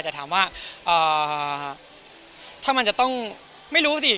แต่ถามว่าถ้ามันจะต้องไม่รู้สิ